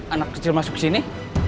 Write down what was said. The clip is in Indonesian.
anak kecil masuk sini